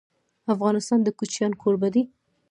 افغانستان د کوچیان کوربه دی.